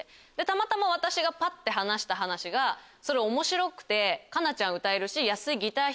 たまたま私がぱって話した話が面白くてかなちゃん歌えるし安井ギター